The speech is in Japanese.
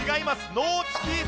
ノーチキータ。